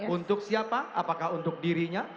untuk siapa apakah untuk dirinya